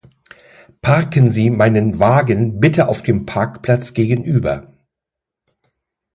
Parken sie meinen Wagen bitte auf dem Parkplatz gegenüber.